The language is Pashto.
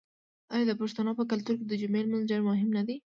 آیا د پښتنو په کلتور کې د جمعې لمونځ ډیر مهم نه دی؟